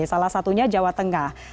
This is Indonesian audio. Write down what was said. salah satunya jawa tengah